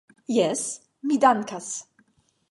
Jes, mi dankas.